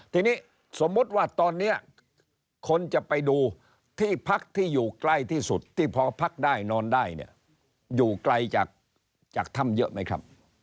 ทีนี้สมมุติว่าตอนนี้คนจะไปดูที่พักที่อยู่ใกล้ที่สุดที่พอพักได้นอนได้เนี่ยอยู่ไกลจากถ้ำเยอะไหมครับ